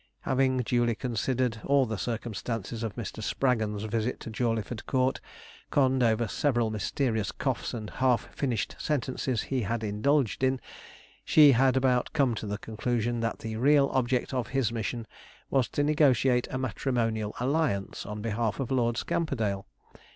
Having duly considered all the circumstances of Mr. Spraggon's visit to Jawleyford Court, conned over several mysterious coughs and half finished sentences he had indulged in, she had about come to the conclusion that the real object of his mission was to negotiate a matrimonial alliance on behalf of Lord Scamperdale.